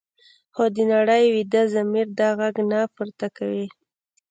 خو د نړۍ ویده ضمیر دا غږ نه پورته کوي.